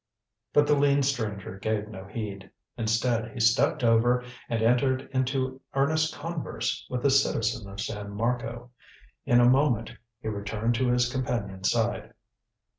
But the lean stranger gave no heed. Instead he stepped over and entered into earnest converse with a citizen of San Marco. In a moment he returned to his companion's side.